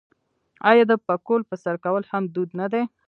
آیا د پکول په سر کول هم دود نه دی؟